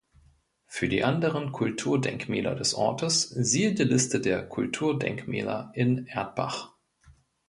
Für die anderen Kulturdenkmäler des Ortes siehe die Liste der Kulturdenkmäler in Erdbach.